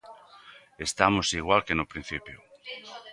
Estamos igual que no principio.